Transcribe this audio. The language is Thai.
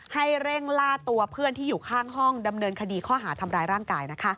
ให้เร่งล่าตัวเพื่อนที่อยู่ข้างห้องดำเนินคดีข้อหาทำร้ายร่างกายนะคะ